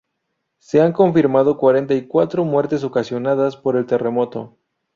Se han confirmado cuarenta y cuatro muertes ocasionadas por el terremoto.